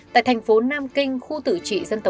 một tháng một mươi hai ngày